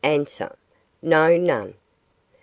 No, none. Q.